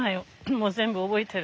もう全部覚えてる？